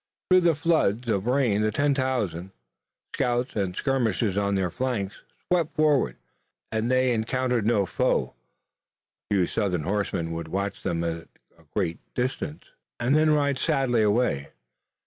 Through the floods of rain the ten thousand, scouts and skirmishers on their flanks, swept southward, and they encountered no foe. A few Southern horsemen would watch them at a great distance and then ride sadly away.